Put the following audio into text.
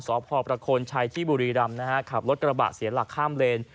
สพประโคนชัยที่บุรีรำนะฮะขับรถกระบะเสียหลักข้ามเลน